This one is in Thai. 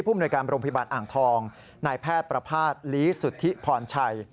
มนวยการโรงพยาบาลอ่างทองนายแพทย์ประภาษณลีสุทธิพรชัย